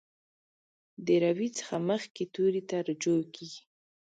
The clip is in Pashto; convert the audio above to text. د روي څخه مخکې توري ته رجوع کیږي.